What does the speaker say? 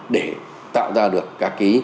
để tạo ra được các cái